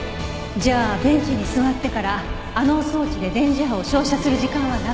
じゃあベンチに座ってからあの装置で電磁波を照射する時間はなかった。